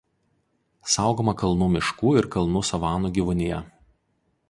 Saugoma kalnų miškų ir kalnų savanų gyvūnija.